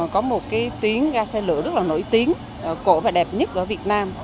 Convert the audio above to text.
có một cái tiếng gai xe lửa rất là nổi tiếng cổ và đẹp nhất ở việt nam